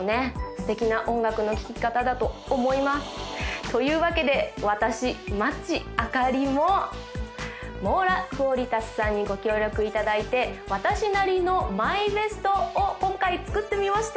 素敵な音楽の聴き方だと思いますというわけで私町あかりもｍｏｒａｑｕａｌｉｔａｓさんにご協力いただいて私なりのＭＹＢＥＳＴを今回作ってみました